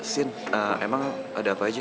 scene emang ada apa aja